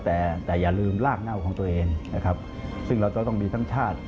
แต่อย่าลืมรากเน่าของตัวเองซึ่งเราก็ต้องมีทั้งชาติ